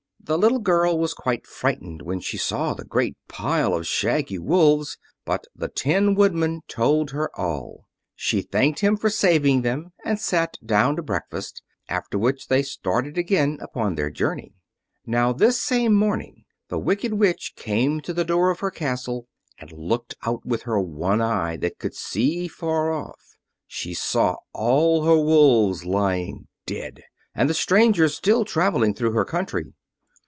The little girl was quite frightened when she saw the great pile of shaggy wolves, but the Tin Woodman told her all. She thanked him for saving them and sat down to breakfast, after which they started again upon their journey. Now this same morning the Wicked Witch came to the door of her castle and looked out with her one eye that could see far off. She saw all her wolves lying dead, and the strangers still traveling through her country.